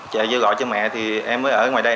chạy vô gọi cho mẹ thì em mới ở ngoài đây